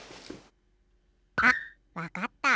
あっわかった。